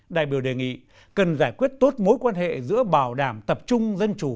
đại biểu đề nghị cần giải quyết tốt mối quan hệ giữa bảo đảm tập trung dân chủ